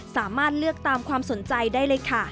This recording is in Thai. สามารถเลือกตามความสนใจได้เลยค่ะ